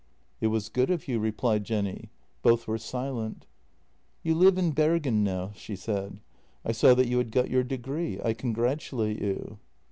" It was good of you," replied Jenny. Both were silent. " You live in Bergen now," she said. " I saw that you had got your degree. I congratulate you."